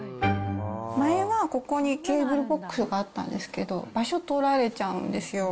前は、ここにケーブルボックスがあったんですけど、場所取られちゃうんですよ。